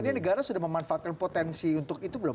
karena negara sudah memanfaatkan potensi untuk itu belum